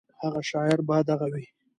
هغه شاعر به دغه وي.